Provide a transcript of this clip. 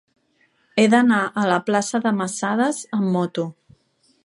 He d'anar a la plaça de Masadas amb moto.